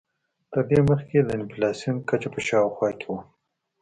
تر دې مخکې د انفلاسیون کچه په شاوخوا کې وه.